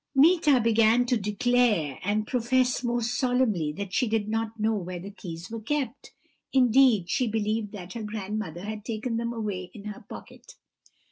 "Meeta began to declare and profess most solemnly that she did not know where the keys were kept; indeed, she believed that her grandmother had taken them away in her pocket.